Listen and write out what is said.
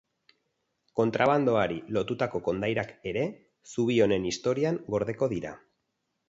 Kontrabandoari lotutako kondairak ere zubi honen historian gordeko dira.